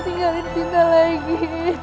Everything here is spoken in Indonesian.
tinggalkan sinta lagi